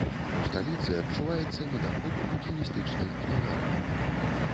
У сталіцы адчуваецца недахоп букіністычных кнігарняў.